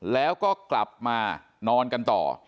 แล้วก็กลับมานอนกันต่อ